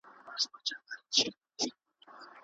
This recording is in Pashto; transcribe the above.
ولي ټولنیز عدالت خورا مهم دی؟